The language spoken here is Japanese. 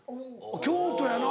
京都やな。